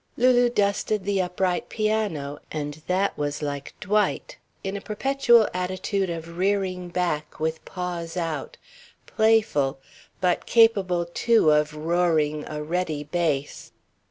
Lulu dusted the upright piano, and that was like Dwight in a perpetual attitude of rearing back, with paws out, playful, but capable, too, of roaring a ready bass.